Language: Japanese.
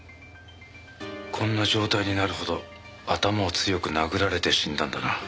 こんな状態になるほど頭を強く殴られて死んだんだな。